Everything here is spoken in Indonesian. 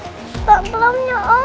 tak belumnya om